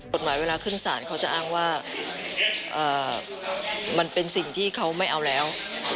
กฎหมายเวลาขึ้นศาลเขาจะอ้างว่ามันเป็นสิ่งที่เขาไม่เอาแล้ว